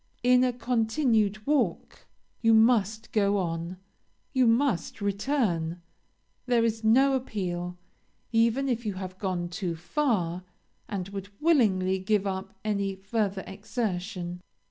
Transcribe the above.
In a continued walk you must go on you must return; there is no appeal, even if you have gone too far, and would willingly give up any further exertion.